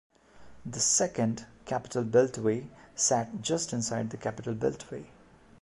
The second, Capital Beltway, sat just inside the Capital Beltway.